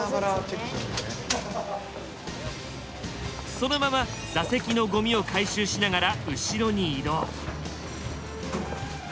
そのまま座席のゴミを回収しながら後ろに移動。